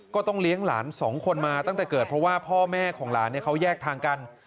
ก็ต้องเลี้ยงหลานสองคนมาตั้งแต่เกิดเพราะว่าพ่อแม่ของหลานเขาแยกทางกัน